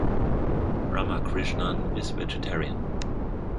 Ramakrishnan is vegetarian.